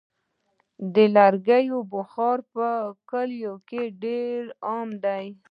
د لرګیو بخاري په کلیو کې ډېره عامه ده.